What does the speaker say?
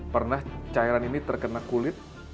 pernah cairan ini terkena kulit